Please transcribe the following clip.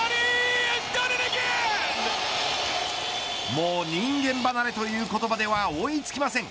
もう人間離れという言葉では追いつきません。